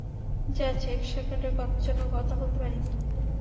Jazz, এক সেকেন্ডের জন্য কথা বলতে পারি?